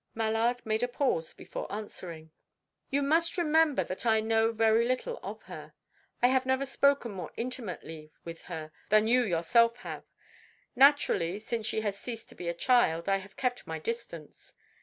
Mallard made a pause before answering. "You must remember that I know very little of her. I have never spoken more intimately with her than you yourself have. Naturally, since she has ceased to be a child, I have kept my distance.